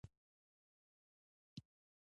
د کیلې او شیدو جوس مقوي دی.